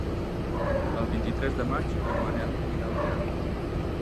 El vint-i-tres de maig en Manel irà al teatre.